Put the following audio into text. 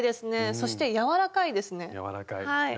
そして柔らかいですね。